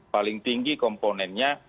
paling tinggi komponennya